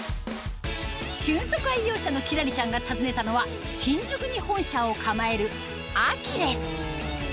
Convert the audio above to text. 瞬足愛用者の輝星ちゃんが訪ねたのは新宿に本社を構えるアキレス